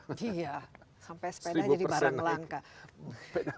iya sampai sepeda jadi barang langka